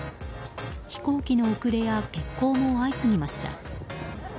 飛行機の遅れや欠航も相次ぎました。